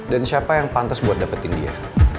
dan siapa yang pantes buat dapetin dia